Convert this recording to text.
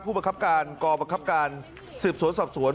ประคับการกรบังคับการสืบสวนสอบสวน